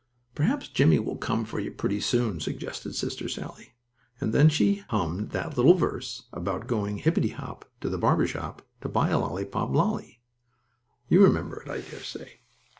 "Perhaps Jimmie will come for you pretty soon," suggested Sister Sallie, and then she hummed that little verse about going hippity hop to the barber shop to buy a lolly pop lally. You remember it, I dare say.